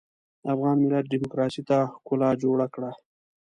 افغان ملت ډيموکراسۍ ته ښکلا جوړه کړه.